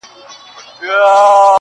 د پیرانو په خرقوکي شیطانان دي -